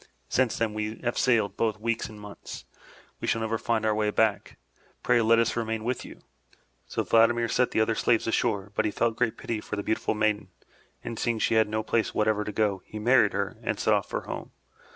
Since then we have sailed both weeks and months. We shall never find our way back. Pray let us remain with you.*' So Vladimir set the other slaves ashore, but he felt great pity for the beautiful maiden, and seeing she had no place whatever to go, he married her and set off for home.